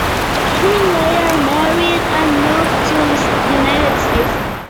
She later married and moved to the United States.